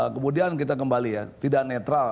kemudian kita kembali ya tidak netral